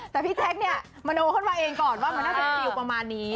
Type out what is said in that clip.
แต่พี่แจ๊คเนี่ยมโนขึ้นมาเองก่อนว่ามันน่าจะฟิลประมาณนี้